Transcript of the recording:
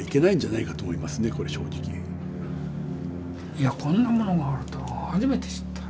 いやこんなものがあるとは初めて知った。